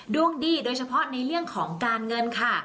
ดวงดีโดยเฉพาะในเรื่องของการเงินค่ะ